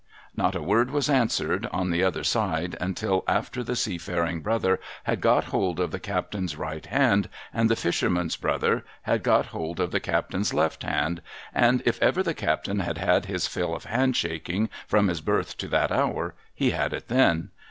' Not a word was answered on the other side, until after the sea faring brother had got hold of the captain's right hand, and the fisherman brother bail got hold of the captain's left hand ; and if ever the captain had had his fill of hand shaking, from his birth to that hour, he had it then.